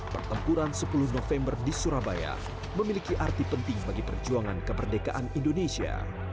pertempuran sepuluh november di surabaya memiliki arti penting bagi perjuangan kemerdekaan indonesia